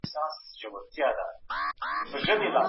خبري کوي، او له دوه زرو څخه زیات قومونه او